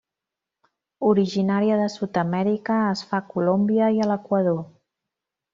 Originària de Sud-amèrica, es fa a Colòmbia i a l'Equador.